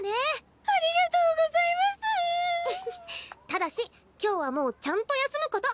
ただし今日はもうちゃんと休むこと！